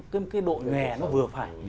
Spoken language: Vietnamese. cái độ nghè nó vừa phải